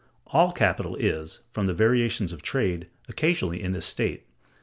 All capital is, from the variations of trade, occasionally in this state.